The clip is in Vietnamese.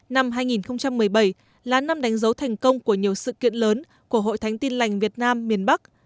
năm hai nghìn một mươi bảy là năm đánh dấu thành công của nhiều sự kiện lớn của hội thánh tin lành việt nam miền bắc